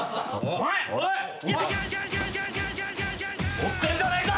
とってんじゃねえか！